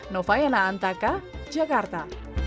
novayana antaka jakarta